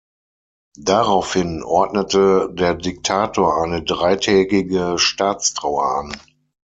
Daraufhin ordnete der Diktator eine dreitägige Staatstrauer an.